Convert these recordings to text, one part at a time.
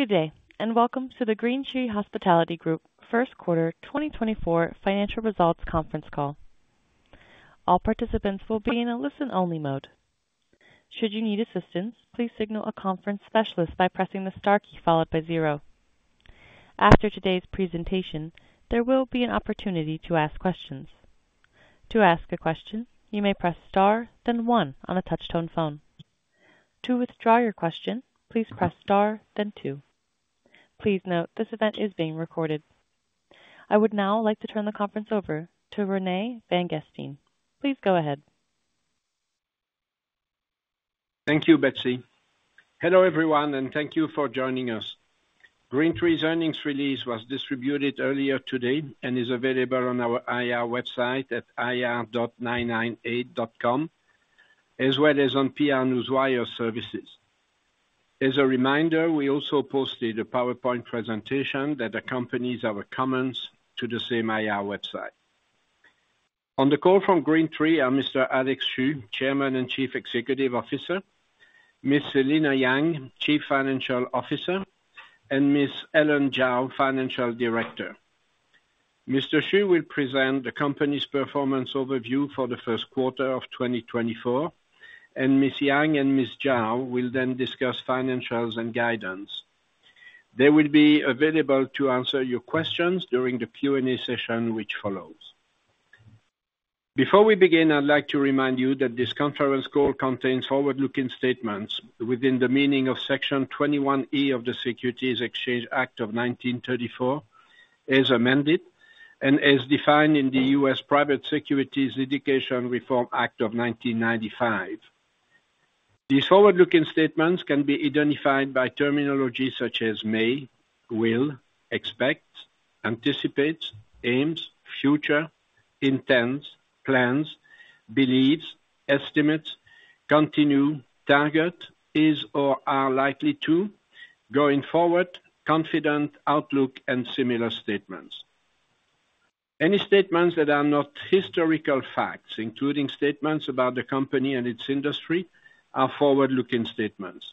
Good day, and welcome to the GreenTree Hospitality Group first quarter 2024 financial results conference call. All participants will be in a listen-only mode. Should you need assistance, please signal a conference specialist by pressing the star key followed by zero. After today's presentation, there will be an opportunity to ask questions. To ask a question, you may press star, then one on a touch-tone phone. To withdraw your question, please press star, then two. Please note this event is being recorded. I would now like to turn the conference over to René Vanguestaine. Please go ahead. Thank you, Betty. Hello everyone, and thank you for joining us. GreenTree's earnings release was distributed earlier today and is available on our IR website at ir.998.com, as well as on PR Newswire services. As a reminder, we also posted a PowerPoint presentation that accompanies our comments to the same IR website. On the call from GreenTree are Mr. Alex Xu, Chairman and Chief Executive Officer, Ms. Selina Yang, Chief Financial Officer, and Ms. Ellen Zhao, Financial Director. Mr. Xu will present the company's performance overview for the first quarter of 2024, and Ms. Yang and Ms. Zhao will then discuss financials and guidance. They will be available to answer your questions during the Q&A session which follows. Before we begin, I'd like to remind you that this conference call contains forward-looking statements within the meaning of Section 21E of the Securities Exchange Act of 1934, as amended, and as defined in the U.S. Private Securities Litigation Reform Act of 1995. These forward-looking statements can be identified by terminology such as may, will, expect, anticipate, aims, future, intends, plans, believes, estimates, continue, target, is or are likely to, going forward, confident, outlook, and similar statements. Any statements that are not historical facts, including statements about the company and its industry, are forward-looking statements.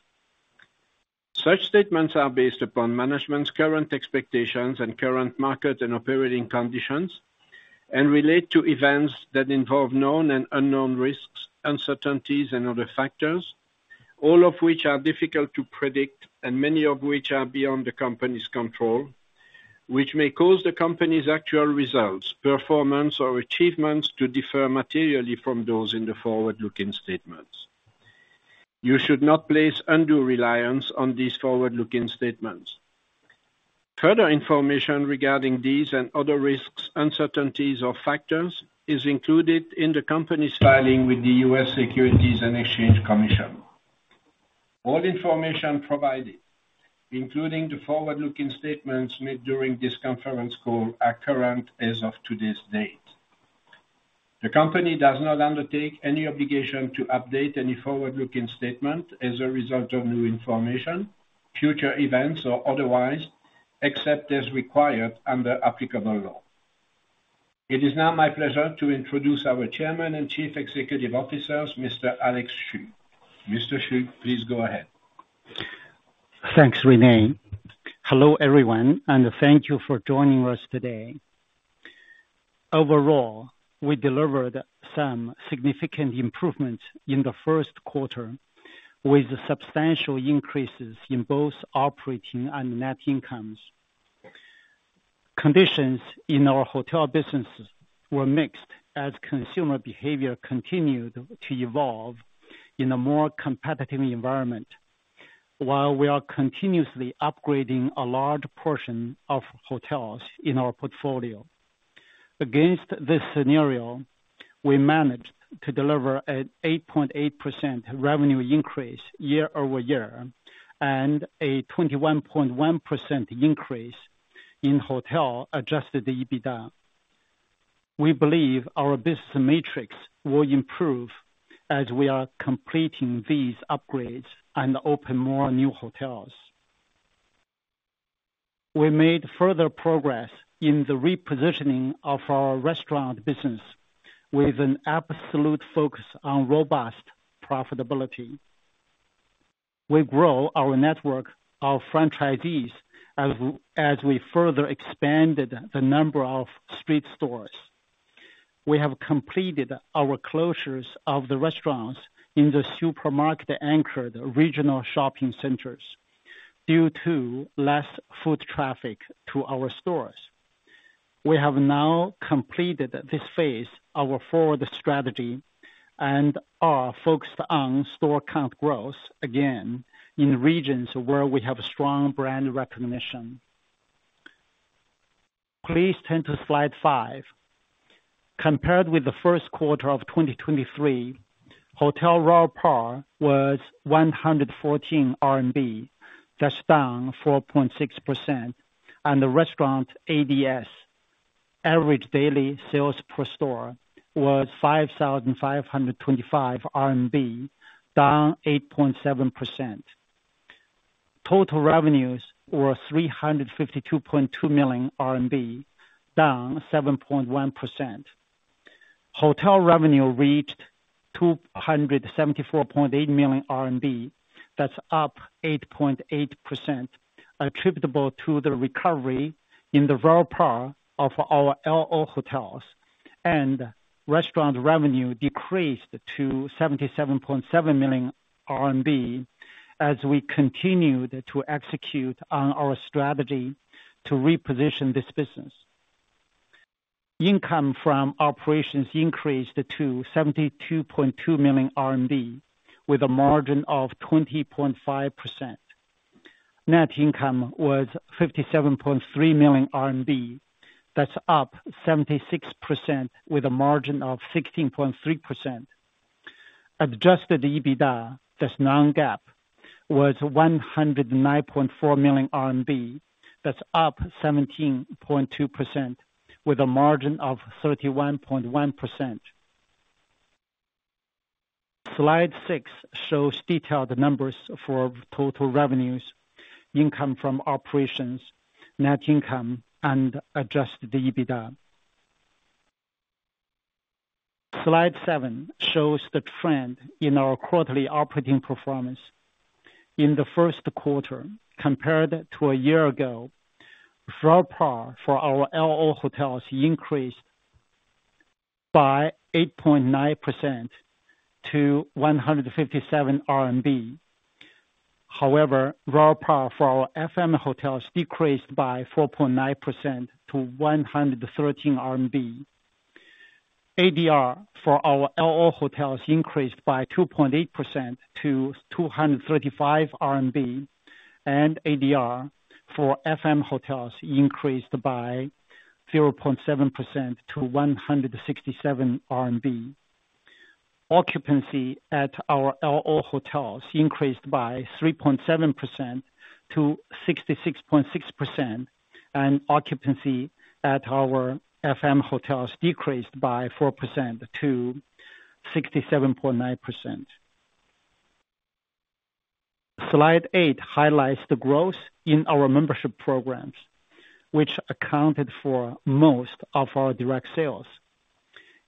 Such statements are based upon management's current expectations and current market and operating conditions, and relate to events that involve known and unknown risks, uncertainties, and other factors, all of which are difficult to predict, and many of which are beyond the company's control, which may cause the company's actual results, performance, or achievements to differ materially from those in the forward-looking statements. You should not place undue reliance on these forward-looking statements. Further information regarding these and other risks, uncertainties, or factors is included in the company's filing with the U.S. Securities and Exchange Commission. All information provided, including the forward-looking statements made during this conference call, are current as of today's date. The company does not undertake any obligation to update any forward-looking statement as a result of new information, future events, or otherwise, except as required under applicable law. It is now my pleasure to introduce our Chairman and Chief Executive Officer, Mr. Alex Xu. Mr. Xu, please go ahead. Thanks, Renee. Hello everyone, and thank you for joining us today. Overall, we delivered some significant improvements in the first quarter with substantial increases in both operating and net incomes. Conditions in our hotel business were mixed as consumer behavior continued to evolve in a more competitive environment, while we are continuously upgrading a large portion of hotels in our portfolio. Against this scenario, we managed to deliver an 8.8% revenue increase year-over-year and a 21.1% increase in hotel Adjusted EBITDA. We believe our business matrix will improve as we are completing these upgrades and open more new hotels. We made further progress in the repositioning of our restaurant business with an absolute focus on robust profitability. We grow our network of franchisees as we further expanded the number of street stores. We have completed our closures of the restaurants in the supermarket-anchored regional shopping centers due to less food traffic to our stores. We have now completed this phase, our forward strategy, and are focused on store count growth again in regions where we have strong brand recognition. Please turn to Slide five. Compared with the first quarter of 2023, RevPAR was CNY 114, that's down 4.6%, and the restaurant ADS average daily sales per store was 5,525 RMB, down 8.7%. Total revenues were 352.2 million RMB, down 7.1%. Hotel revenue reached 274.8 million RMB, that's up 8.8%, attributable to the recovery in the RevPAR of our L&O hotels, and restaurant revenue decreased to 77.7 million RMB as we continued to execute on our strategy to reposition this business. Income from operations increased to 72.2 million RMB with a margin of 20.5%. Net income was 57.3 million RMB, that's up 76%, with a margin of 16.3%. Adjusted EBITDA, that's non-GAAP, was CNY 109.4 million, that's up 17.2%, with a margin of 31.1%. Slide six shows detailed numbers for total revenues, income from operations, net income, and adjusted EBITDA. Slide seven shows the trend in our quarterly operating performance. In the first quarter, compared to a year ago, RevPAR for our L&O hotels increased by 8.9% to CNY 157. However, RevPAR for our F&M hotels decreased by 4.9% to 113 RMB. ADR for our L&O hotels increased by 2.8% to 235 RMB, and ADR for F&M hotels increased by 0.7% to 167 RMB. Occupancy at our L&O hotels increased by 3.7% to 66.6%, and occupancy at our F&M hotels decreased by 4% to 67.9%. Slide eight highlights the growth in our membership programs, which accounted for most of our direct sales.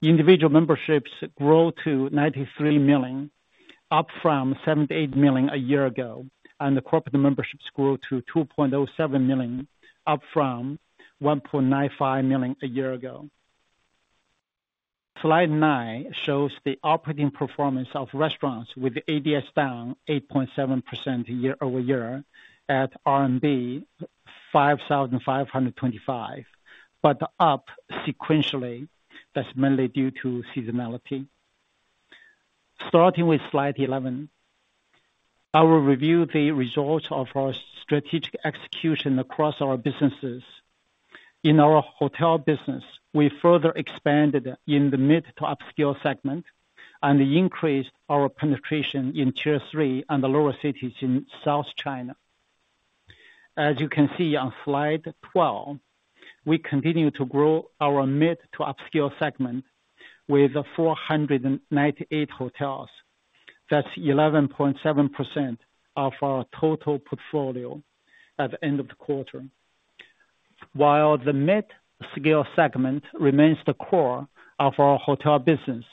Individual memberships grew to 93 million, up from 78 million a year ago, and the corporate memberships grew to 2.07 million, up from 1.95 million a year ago. Slide nine shows the operating performance of restaurants with ADS down 8.7% year-over-year at RMB 5,525, but up sequentially, that's mainly due to seasonality. Starting with Slide 11, I will review the results of our strategic execution across our businesses. In our hotel business, we further expanded in the mid-to-upscale segment and increased our penetration in Tier 3 and the lower cities in South China. As you can see on Slide 12, we continue to grow our mid-to-upscale segment with 498 hotels, that's 11.7% of our total portfolio at the end of the quarter, while the mid-scale segment remains the core of our hotel business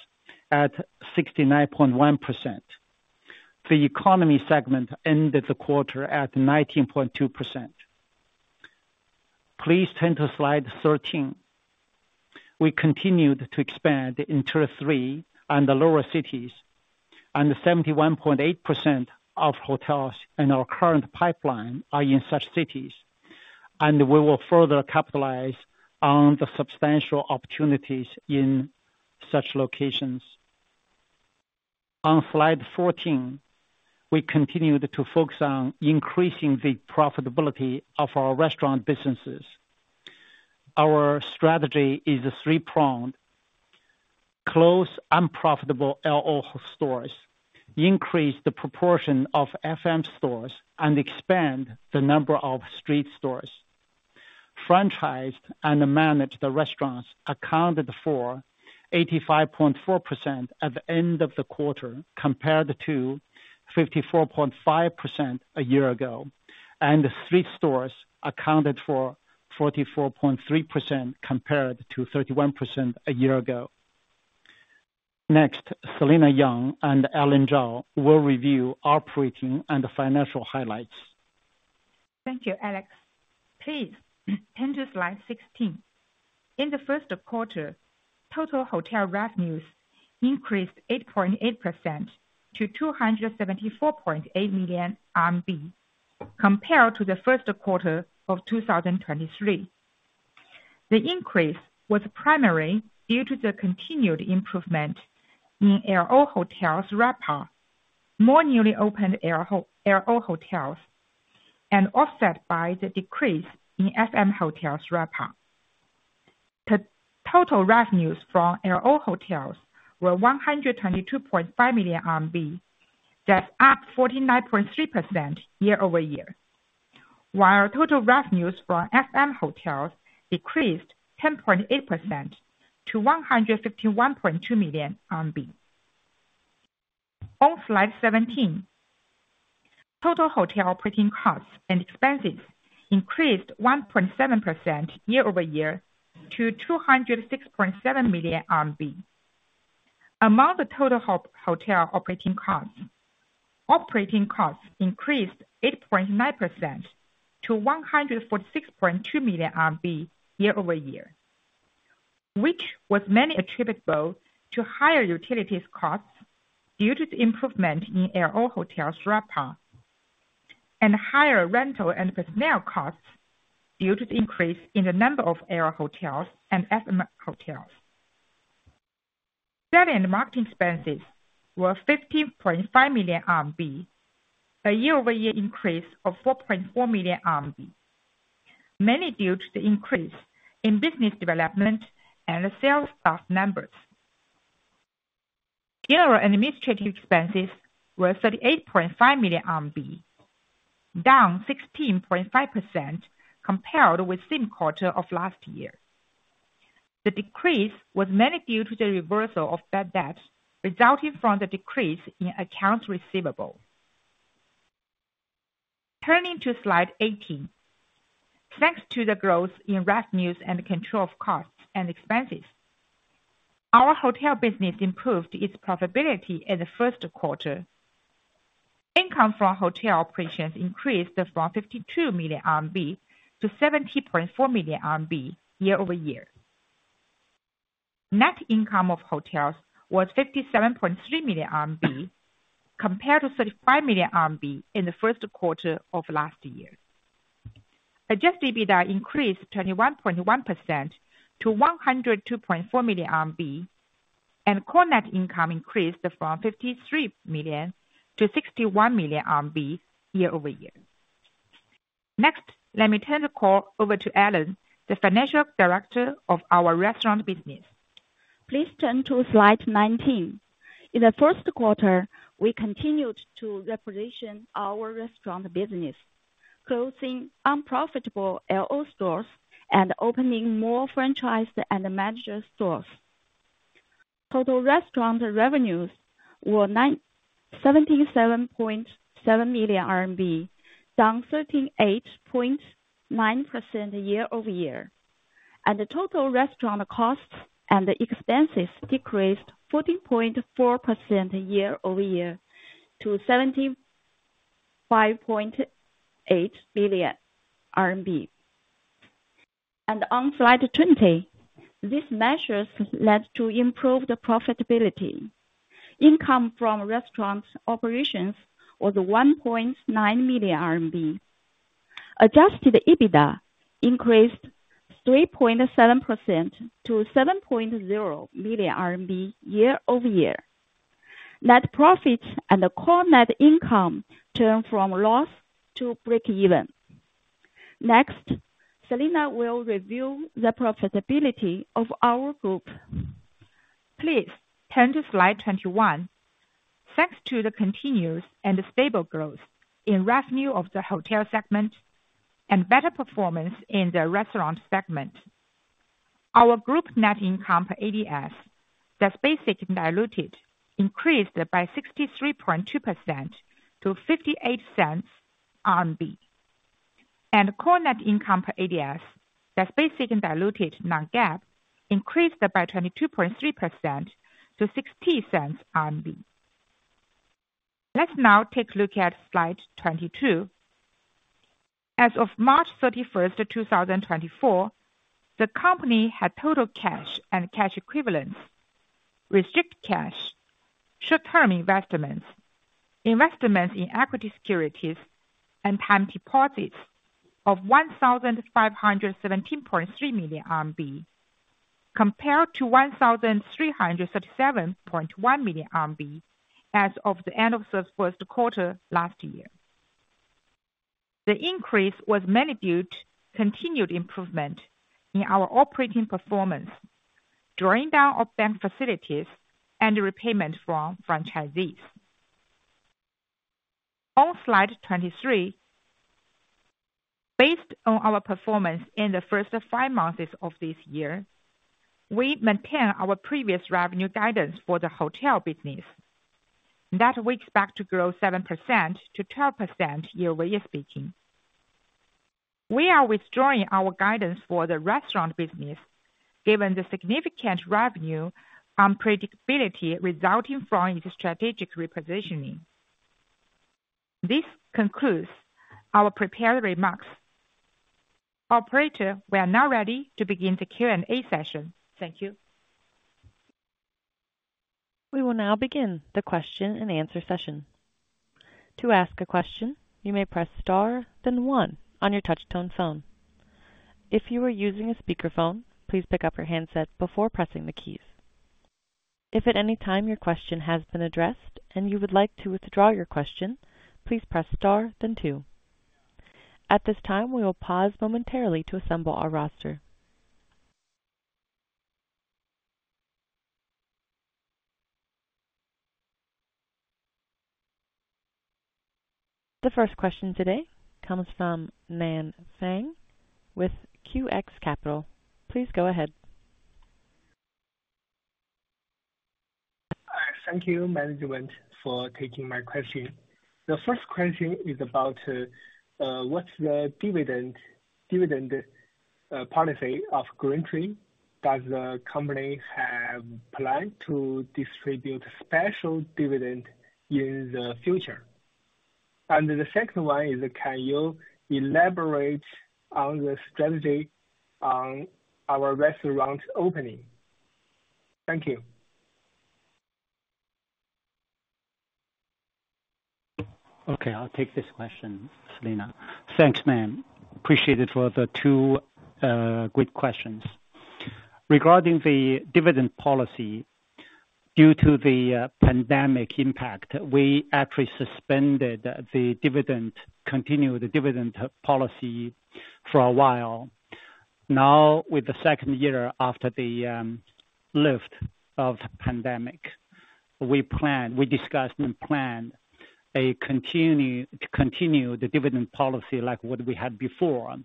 at 69.1%. The economy segment ended the quarter at 19.2%. Please turn to Slide 13. We continued to expand in Tier 3 and the lower cities, and 71.8% of hotels in our current pipeline are in such cities, and we will further capitalize on the substantial opportunities in such locations. On Slide 14, we continued to focus on increasing the profitability of our restaurant businesses. Our strategy is three-pronged: close unprofitable L&O stores, increase the proportion of F&M stores, and expand the number of street stores. Franchised-and-managed restaurants accounted for 85.4% at the end of the quarter compared to 54.5% a year ago, and street stores accounted for 44.3% compared to 31% a year ago. Next, Celina Yang and Ellen Zhao will review operating and financial highlights. Thank you, Alex. Please turn to Slide 16. In the first quarter, total hotel revenues increased 8.8% to 274.8 million RMB compared to the first quarter of 2023. The increase was primarily due to the continued improvement in L&O hotels RevPAR, more newly opened L&O hotels, and offset by the decrease in F&M hotels RevPAR. Total revenues from L&O hotels were 122.5 million RMB, that's up 49.3% year-over-year, while total revenues from F&M hotels decreased 10.8% to 151.2 million RMB. On Slide 17, total hotel operating costs and expenses increased 1.7% year-over-year to 206.7 million RMB. Among the total hotel operating costs, operating costs increased 8.9% to 146.2 million RMB year-over-year, which was mainly attributable to higher utilities costs due to the improvement in L&O hotels RevPAR and higher rental and personnel costs due to the increase in the number of L&O hotels and F&M hotels. Selling and marketing expenses were 15.5 million RMB, a year-over-year increase of 4.4 million RMB, mainly due to the increase in business development and sales staff numbers. General administrative expenses were 38.5 million RMB, down 16.5% compared with the same quarter of last year. The decrease was mainly due to the reversal of bad debts resulting from the decrease in accounts receivable. Turning to Slide 18, thanks to the growth in revenues and control of costs and expenses, our hotel business improved its profitability in the first quarter. Income from hotel operations increased from 52 million RMB to 70.4 million RMB year-over-year. Net income of hotels was 57.3 million RMB compared to 35 million RMB in the first quarter of last year. Adjusted EBITDA increased 21.1% to 102.4 million RMB, and core net income increased from 53 million to 61 million RMB year-over-year. Next, let me turn the call over to Ellen, the Financial Director of our restaurant business. Please turn to Slide 19. In the first quarter, we continued to reposition our restaurant business, closing unprofitable L&O stores and opening more franchised and managed stores. Total restaurant revenues were 77.7 million RMB, down 38.9% year-over-year, and total restaurant costs and expenses decreased 14.4% year-over-year to CNY 75.8 million. On Slide 20, these measures led to improved profitability. Income from restaurant operations was 1.9 million RMB. Adjusted EBITDA increased 3.7% to 7.0 million RMB year-over-year. Net profit and core net income turned from loss to break-even. Next, Celina will review the profitability of our group. Please turn to Slide 21. Thanks to the continuous and stable growth in revenue of the hotel segment and better performance in the restaurant segment, our group net income ADS, that's basic and diluted, increased by 63.2% to 0.58, and core net income ADS, that's basic and diluted non-GAAP, increased by 22.3% to 0.60. Let's now take a look at Slide 22. As of March 31, 2024, the company had total cash and cash equivalents, restricted cash, short-term investments, investments in equity securities, and time deposits of 1,517.3 million RMB compared to 1,337.1 million RMB as of the end of the first quarter last year. The increase was mainly due to continued improvement in our operating performance, drawing down of bank facilities, and repayment from franchisees. On Slide 23, based on our performance in the first five months of this year, we maintain our previous revenue guidance for the hotel business that we expect to grow 7%-12% year-over-year speaking. We are withdrawing our guidance for the restaurant business given the significant revenue unpredictability resulting from its strategic repositioning. This concludes our prepared remarks. Operator, we are now ready to begin the Q&A session. Thank you. We will now begin the question and answer session. To ask a question, you may press star, then one on your touch-tone phone. If you are using a speakerphone, please pick up your handset before pressing the keys. If at any time your question has been addressed and you would like to withdraw your question, please press star, then two. At this time, we will pause momentarily to assemble our roster. The first question today comes from Nan Fang with QX Capital. Please go ahead. Thank you, management, for taking my question. The first question is about what's the dividend policy of GreenTree? Does the company have a plan to distribute special dividend in the future? And the second one is, can you elaborate on the strategy on our restaurant opening? Thank you. Okay, I'll take this question, Celina. Thanks, Nan. Appreciate it for the two good questions. Regarding the dividend policy, due to the pandemic impact, we actually suspended the dividend, continued the dividend policy for a while. Now, with the second year after the lift of the pandemic, we discussed and planned to continue the dividend policy like what we had before,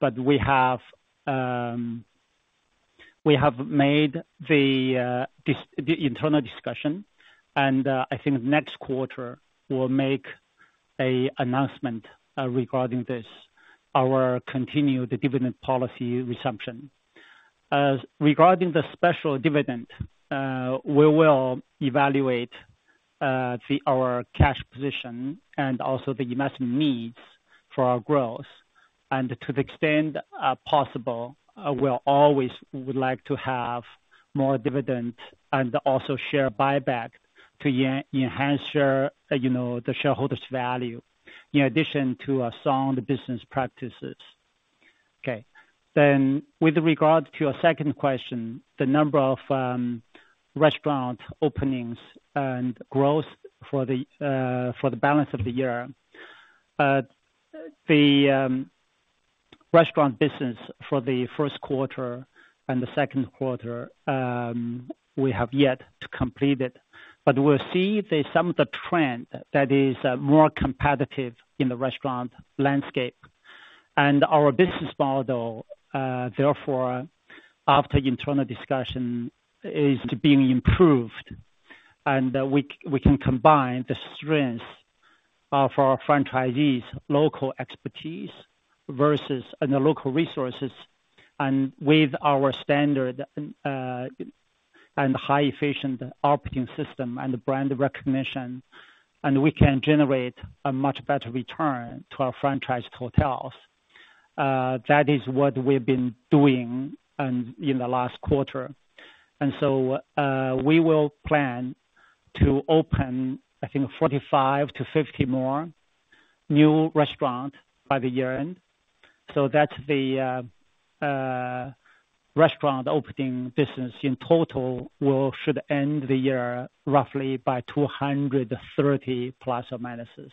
but we have made the internal discussion, and I think next quarter we'll make an announcement regarding this, our continued dividend policy resumption. Regarding the special dividend, we will evaluate our cash position and also the investment needs for our growth, and to the extent possible, we always would like to have more dividend and also share buyback to enhance the shareholders' value, in addition to sound business practices. Okay. Then, with regard to a second question, the number of restaurant openings and growth for the balance of the year, the restaurant business for the first quarter and the second quarter, we have yet to complete it, but we'll see some of the trend that is more competitive in the restaurant landscape. And our business model, therefore, after internal discussion, is being improved, and we can combine the strengths of our franchisees' local expertise versus the local resources, and with our standard and highly efficient operating system and brand recognition, we can generate a much better return to our franchised hotels. That is what we've been doing in the last quarter. And so we will plan to open, I think, 45-50 more new restaurants by the year end. So that's the restaurant opening business. In total, we should end the year roughly by 230 ±.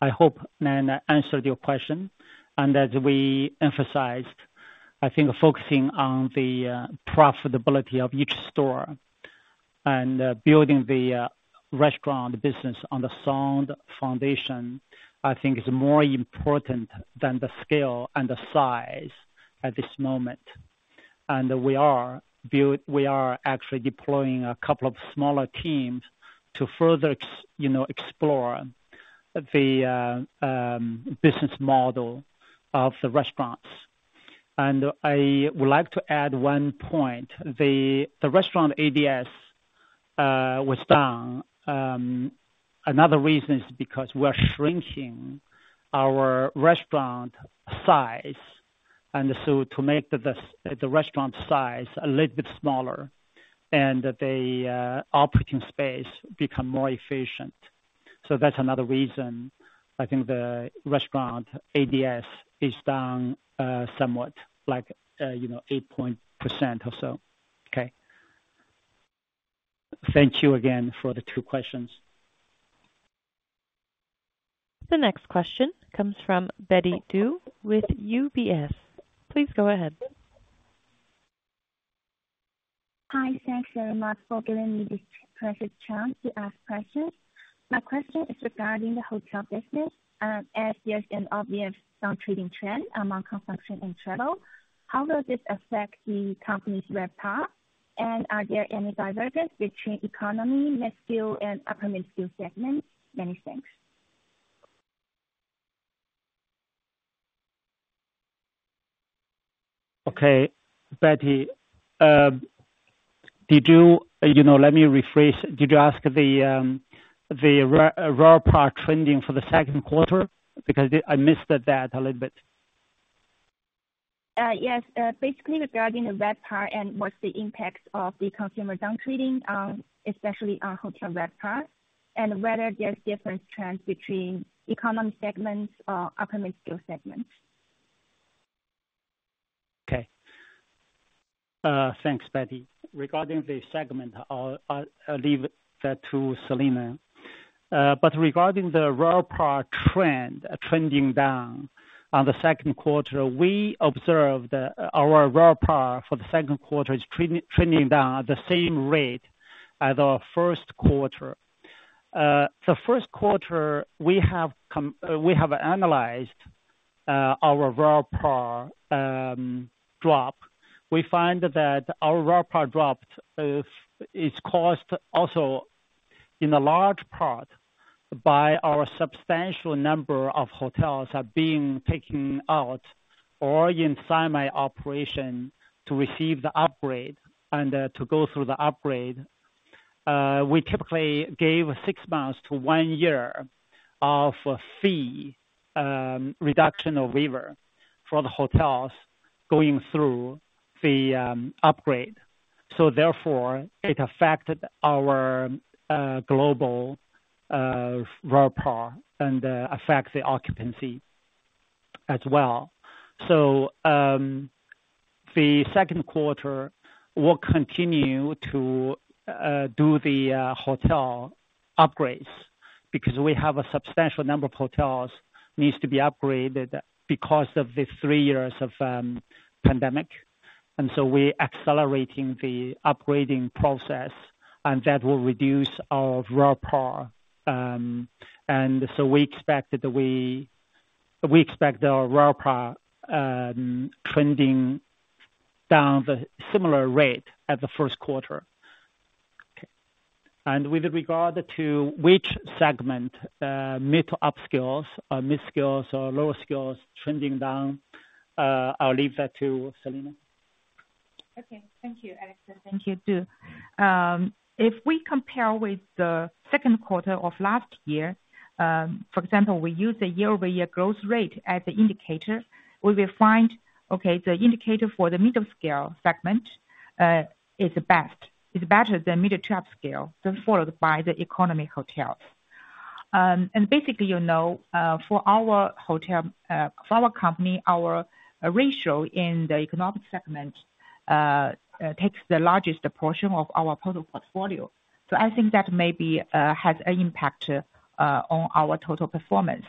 I hope Nan answered your question, and as we emphasized, I think focusing on the profitability of each store and building the restaurant business on the sound foundation, I think, is more important than the scale and the size at this moment. We are actually deploying a couple of smaller teams to further explore the business model of the restaurants. I would like to add one point. The restaurant ADS was down. Another reason is because we're shrinking our restaurant size, and so to make the restaurant size a little bit smaller and the operating space become more efficient. So that's another reason, I think, the restaurant ADS is down somewhat, like 8.8% or so. Okay. Thank you again for the two questions. The next question comes from Betty Du with UBS. Please go ahead. Hi, thanks very much for giving me this precious chance to ask questions. My question is regarding the hotel business as there's an obvious downtrending trend among consumption and travel. How will this affect the company's RevPAR? And are there any divergence between economy, mid-scale, and upper mid-scale segments? Many thanks. Okay, Betty, did you, let me rephrase, did you ask the RevPAR trending for the second quarter? Because I missed that a little bit. Yes. Basically, regarding the RevPAR and what's the impact of the consumer downtrending, especially on hotel RevPAR, and whether there's different trends between economy segments or upper midscale segments? Okay. Thanks, Betty. Regarding the segment, I'll leave that to Celina. But regarding the RevPAR trending down on the second quarter, we observed our RevPAR for the second quarter is trending down at the same rate as our first quarter. The first quarter, we have analyzed our RevPAR drop. We find that our RevPAR drop is caused also in a large part by our substantial number of hotels being taken out or in semi-operation to receive the upgrade and to go through the upgrade. We typically gave six months to one year of fee reduction or waiver for the hotels going through the upgrade. So therefore, it affected our global RevPAR and affects the occupancy as well. So the second quarter, we'll continue to do the hotel upgrades because we have a substantial number of hotels that need to be upgraded because of the three years of pandemic. We're accelerating the upgrading process, and that will reduce our RevPAR. We expect our RevPAR trending down at a similar rate as the first quarter. With regard to which segment, mid-upscale or midscale or low-scale trending down, I'll leave that to Celina. Okay. Thank you, Alex. And thank you, Du. If we compare with the second quarter of last year, for example, we use the year-over-year growth rate as an indicator, we will find, okay, the indicator for the middle scale segment is best. It's better than mid-to-up scale, then followed by the economy hotels. And basically, for our company, our ratio in the economic segment takes the largest portion of our total portfolio. So I think that maybe has an impact on our total performance.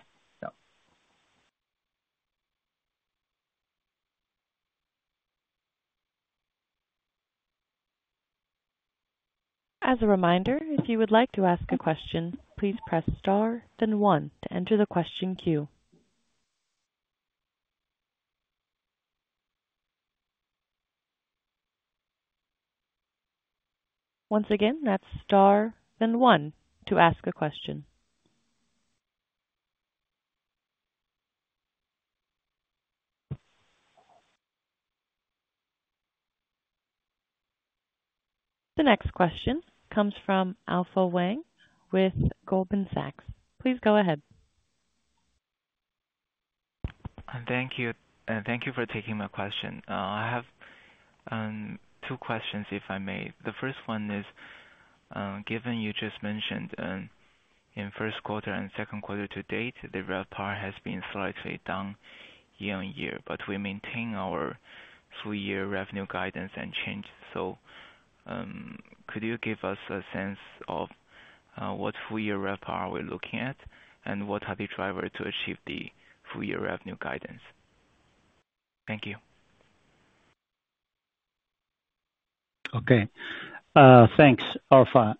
As a reminder, if you would like to ask a question, please press star, then one to enter the question queue. Once again, that's star, then one to ask a question. The next question comes from Alpha Wang with Goldman Sachs. Please go ahead. Thank you. Thank you for taking my question. I have two questions, if I may. The first one is, given you just mentioned in first quarter and second quarter to date, the RevPAR has been slightly down year-on-year, but we maintain our full-year revenue guidance unchanged. So could you give us a sense of what full-year RevPAR are we looking at, and what are the drivers to achieve the full-year revenue guidance? Thank you. Okay. Thanks, Alpha.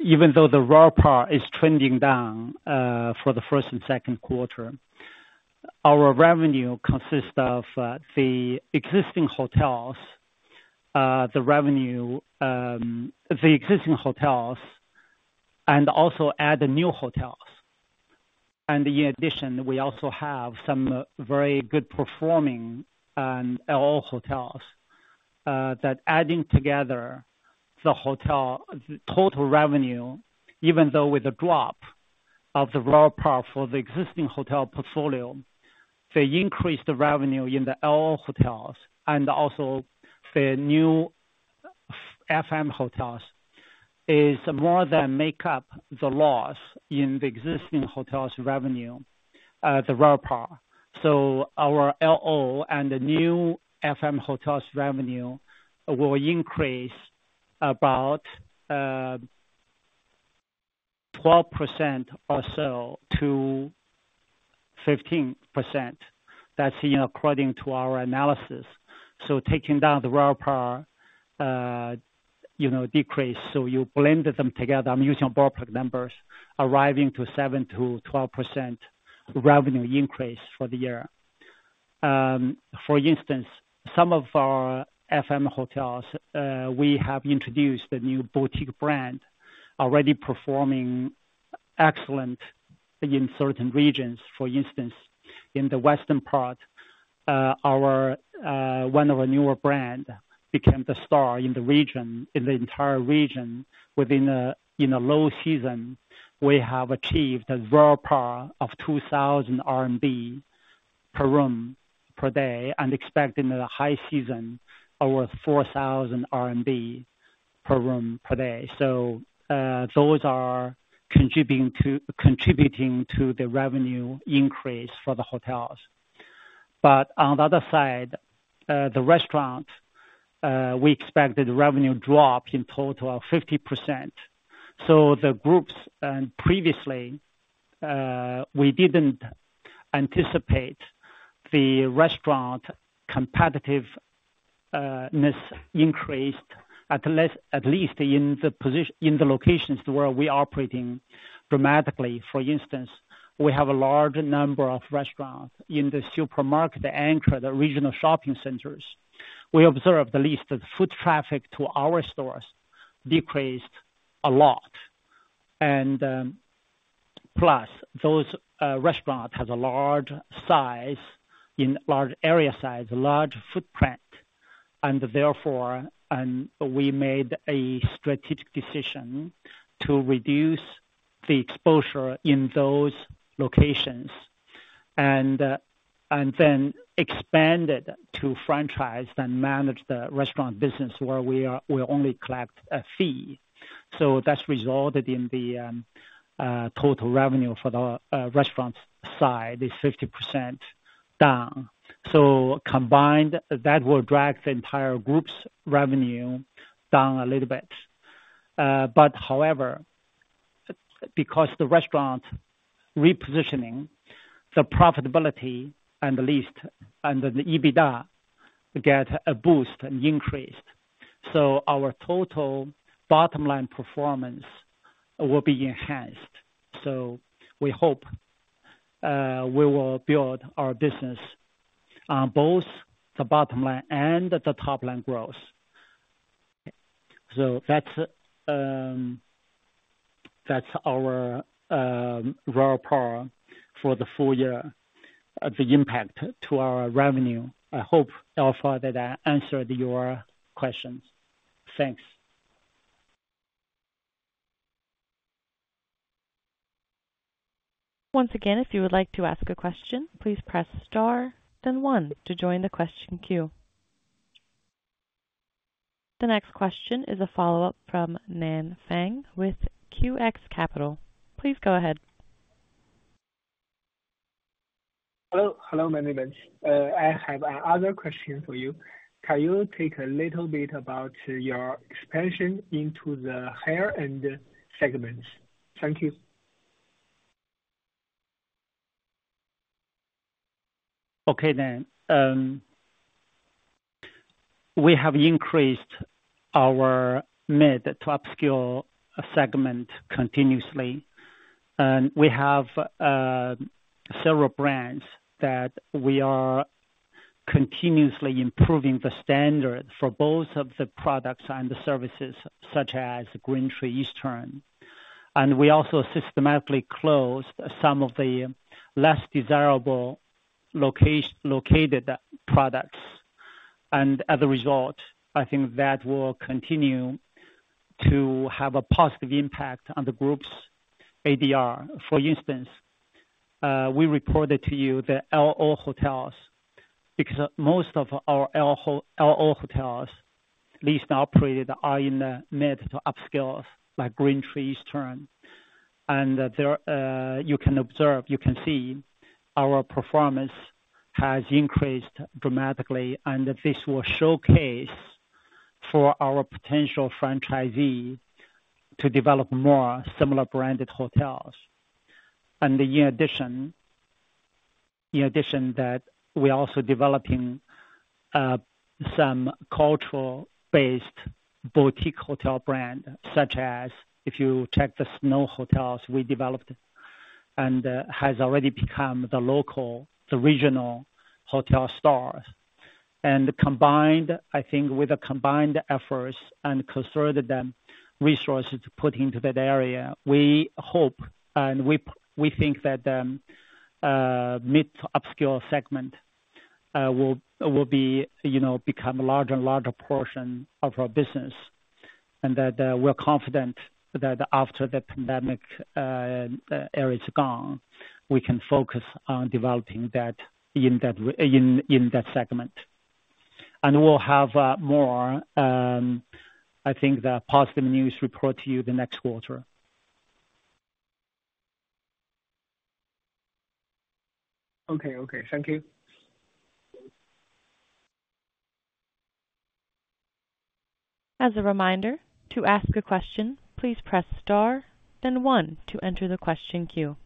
Even though the RevPAR is trending down for the first and second quarter, our revenue consists of the existing hotels, the existing hotels, and also add the new hotels. And in addition, we also have some very good-performing L&O hotels. That adding together the hotel total revenue, even though with a drop of the RevPAR for the existing hotel portfolio, the increased revenue in the L&O hotels and also the new FM hotels is more than make up the loss in the existing hotels' revenue, the RevPAR. So our L&O and the new FM hotels' revenue will increase about 12%-15%. That's according to our analysis. So taking down the RevPAR decrease, so you blend them together. I'm using ballpark numbers, arriving to 7%-12% revenue increase for the year. For instance, some of our FM hotels, we have introduced a new boutique brand already performing excellent in certain regions. For instance, in the western part, one of our newer brands became the star in the region, in the entire region. Within a low season, we have achieved a RevPAR of 2,000 RMB per room per day, and expect in the high season over 4,000 RMB per room per day. So those are contributing to the revenue increase for the hotels. But on the other side, the restaurant, we expected revenue drop in total of 50%. So the groups previously, we didn't anticipate the restaurant competitiveness increased at least in the locations where we are operating dramatically. For instance, we have a large number of restaurants in the supermarket, the anchor, the regional shopping centers. We observed at least the foot traffic to our stores decreased a lot. And plus, those restaurants have a large size, large area size, large footprint. And therefore, we made a strategic decision to reduce the exposure in those locations and then expanded to franchise and manage the restaurant business where we only collect a fee. So that's resulted in the total revenue for the restaurant side is 50% down. So combined, that will drag the entire group's revenue down a little bit. But however, because the restaurant repositioning, the profitability and the lease, and the EBITDA get a boost and increased. So our total bottom-line performance will be enhanced. So we hope we will build our business on both the bottom-line and the top-line growth. So that's our RevPAR for the full year, the impact to our revenue. I hope, Alpha, that I answered your questions. Thanks. Once again, if you would like to ask a question, please press star, then one to join the question queue. The next question is a follow-up from Nan Fang with QX Capital. Please go ahead. Hello. Hello. My name is. I have another question for you. Can you take a little bit about your expansion into the higher-end segments? Thank you. Okay, Nan. We have increased our mid-to-upscale segment continuously. We have several brands that we are continuously improving the standard for both of the products and the services, such as GreenTree Eastern. We also systematically closed some of the less desirable located products. As a result, I think that will continue to have a positive impact on the group's ADR. For instance, we reported to you the L&O hotels because most of our L&O hotels, at least operated, are in the mid-to-upscale, like GreenTree Eastern. You can observe, you can see our performance has increased dramatically. This will showcase for our potential franchisee to develop more similar-branded hotels. In addition, we are also developing some cultural-based boutique hotel brand, such as if you check the Snow Hotels we developed, and has already become the local, the regional hotel stars. Combined, I think, with the combined efforts and conservative resources put into that area, we hope and we think that the mid-to-upscale segment will become a larger and larger portion of our business. And that we're confident that after the pandemic era is gone, we can focus on developing that in that segment. And we'll have more, I think, positive news to report to you the next quarter. Okay. Okay. Thank you. As a reminder, to ask a question, please press star, then one to enter the question queue.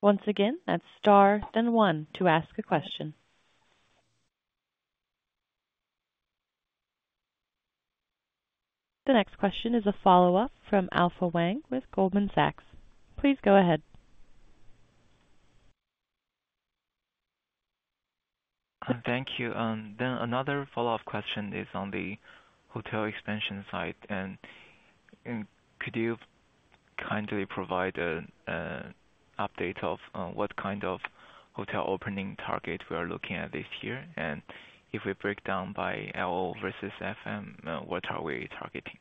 Once again, that's star, then one to ask a question. The next question is a follow-up from Alpha Wang with Goldman Sachs. Please go ahead. Thank you. Then another follow-up question is on the hotel expansion side. Could you kindly provide an update of what kind of hotel opening target we are looking at this year? If we break down by L&O versus F&M, what are we targeting?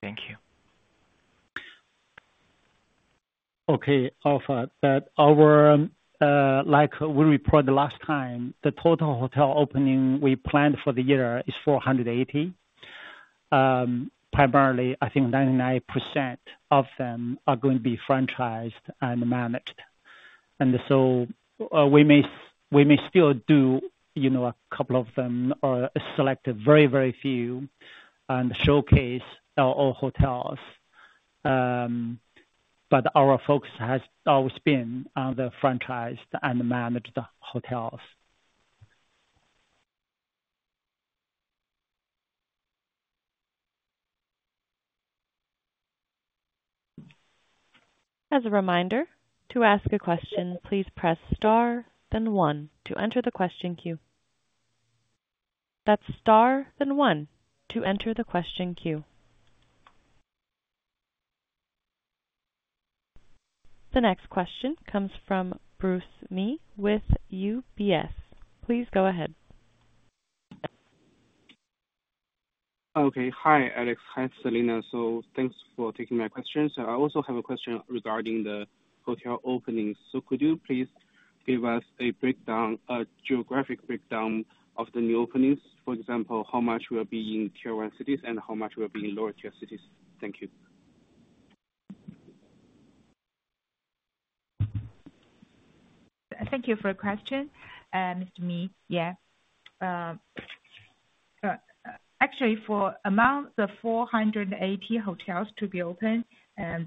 Thank you. Okay, Alpha. Like we reported last time, the total hotel opening we planned for the year is 480. Primarily, I think 99% of them are going to be franchised and managed. And so we may still do a couple of them or select very, very few and showcase L&O hotels. But our focus has always been on the franchised and managed hotels. As a reminder, to ask a question, please press star, then one to enter the question queue. That's star, then one to enter the question queue. The next question comes from Bruce Mee with UBS. Please go ahead. Okay. Hi, Alex. Hi, Celina. So thanks for taking my questions. I also have a question regarding the hotel openings. So could you please give us a geographic breakdown of the new openings? For example, how much will be in Tier 1 cities and how much will be in lower-tier cities? Thank you. Thank you for the question, Mr. Mee. Yeah. Actually, for among the 480 hotels to be open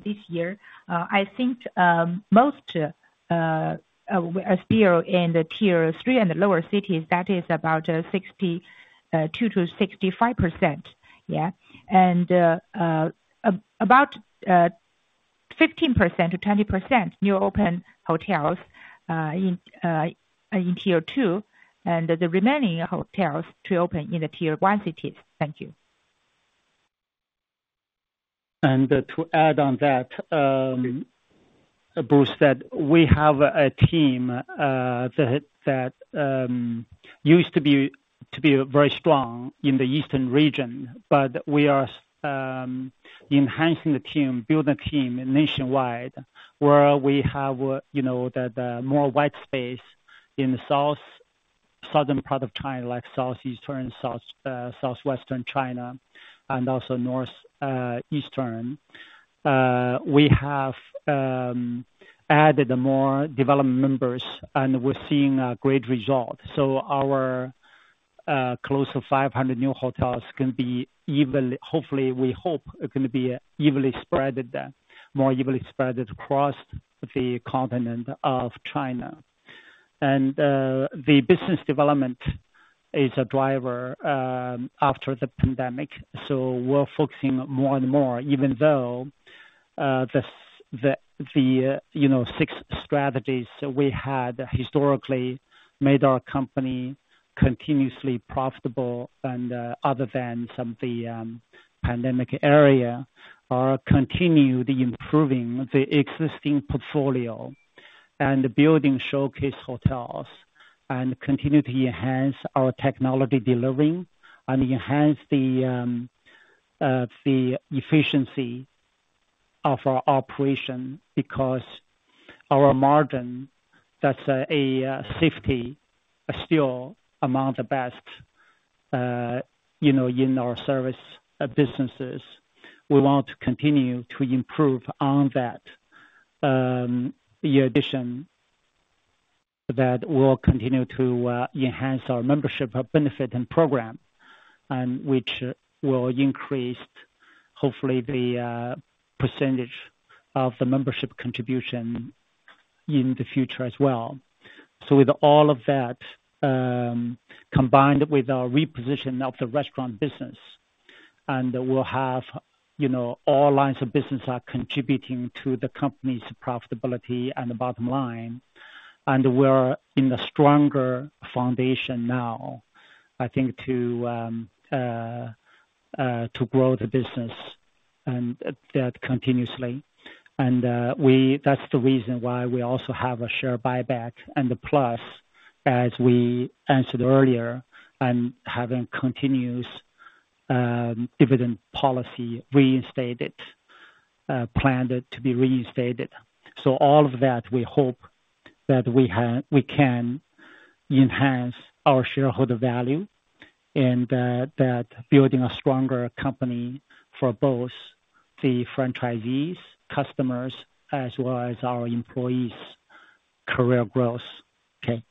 this year, I think most are still in Tier 3 and lower cities. That is about 62%-65%. Yeah. And about 15%-20% new open hotels in Tier 2, and the remaining hotels to open in the Tier 1 cities. Thank you. And to add on that, Bruce, that we have a team that used to be very strong in the eastern region, but we are enhancing the team, building a team nationwide where we have more white space in the southern part of China, like southeastern, southwestern China, and also northeastern. We have added more development members, and we're seeing a great result. So our close to 500 new hotels can be evenly, hopefully, we hope it can be evenly spread, more evenly spread across the continent of China. And the business development is a driver after the pandemic. So we're focusing more and more, even though the six strategies we had historically made our company continuously profitable, and other than some of the pandemic era, are continually improving the existing portfolio and building showcase hotels and continue to enhance our technology delivery and enhance the efficiency of our operation because our margin, that's still among the best in our service businesses. We want to continue to improve on that. In addition, we'll continue to enhance our membership benefit and program, which will increase, hopefully, the percentage of the membership contribution in the future as well. So with all of that combined with our repositioning of the restaurant business, and we'll have all lines of business are contributing to the company's profitability and the bottom line. And we're in a stronger foundation now, I think, to grow the business and that continuously. That's the reason why we also have a share buyback. Plus, as we answered earlier, and having continuous dividend policy reinstated, planned to be reinstated. All of that, we hope that we can enhance our shareholder value and that building a stronger company for both the franchisees, customers, as well as our employees' career growth. Okay.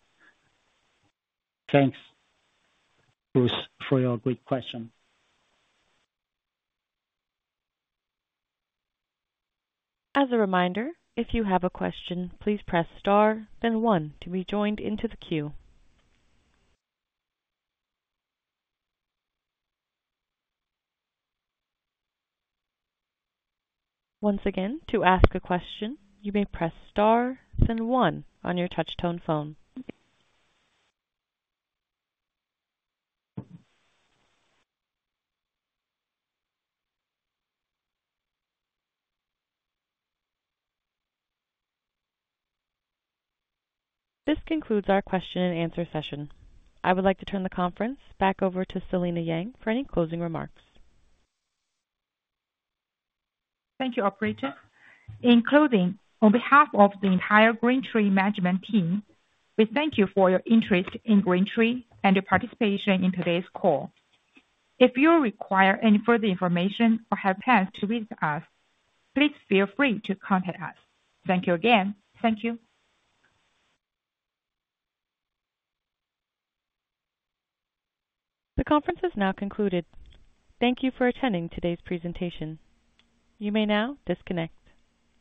Thanks, Bruce, for your great question. As a reminder, if you have a question, please press star, then one to be joined into the queue. Once again, to ask a question, you may press star, then one on your touchtone phone. This concludes our question-and-answer session. I would like to turn the conference back over to Selina Yang for any closing remarks. Thank you, Operator. In closing, on behalf of the entire GreenTree Management Team, we thank you for your interest in GreenTree and your participation in today's call. If you require any further information or have plans to visit us, please feel free to contact us. Thank you again. Thank you. The conference has now concluded. Thank you for attending today's presentation. You may now disconnect.